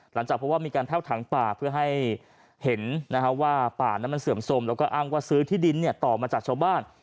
หลังจากเพราะว่ามีการแพ่วถังป่าเพื่อให้เห็นว่าป่านั้นมันเสื่อมสมแล้วก็อ้างว่าซื้อที่ดินต่อมาจากชาวบ้าน